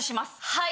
はい。